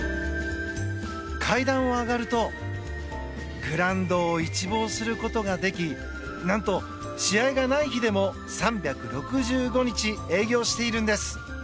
階段を上がるとグラウンドを一望することができ何と試合がない日でも３６５日営業しているんです。